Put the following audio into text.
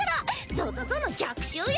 ぞぞぞの逆襲よ！